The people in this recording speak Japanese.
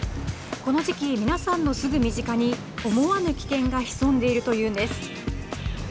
この時期、皆さんのすぐ身近に思わぬ危険が潜んでいるというんです。